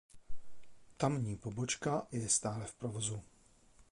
Tamní pobočka je stále v provozu.